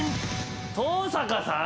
登坂さん！？